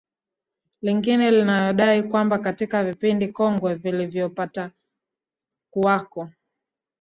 lingine linalodai kwamba katika vipindi kongwe vilivyopatakuwako